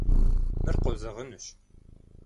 Мыр къозэгъынущ.